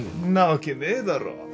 んなわけねえだろ。